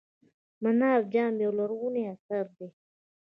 منار جام یو لرغونی اثر دی.